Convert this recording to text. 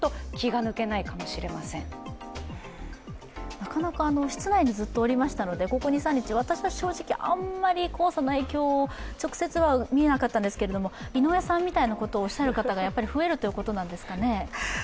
なかなか室内にずっとおりましたのでここ２３日私は正直あまり黄砂の影響は直接は見えなかったんですが、井上さんみたいなことをおっしゃる方が増えるということなんですかね？